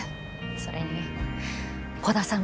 それに鼓田さんも。